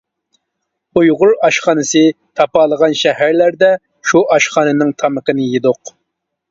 ئۇيغۇر ئاشخانىسى تاپالىغان شەھەرلەردە شۇ ئاشخانىنىڭ تامىقىنى يېدۇق.